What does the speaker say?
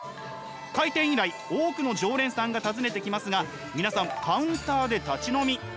開店以来多くの常連さんが訪ねてきますが皆さんカウンターで立ち飲み。